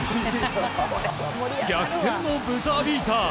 逆転のブザービーター！